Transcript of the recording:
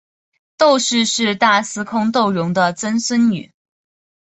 窦氏是大司空窦融的曾孙女。